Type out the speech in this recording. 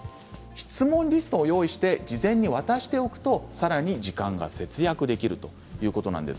質問リストを用意して事前に渡しておくと時間がさらに節約できるということです。